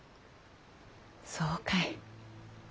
そうかい。